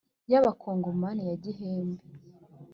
yaba congomani ya gihembe.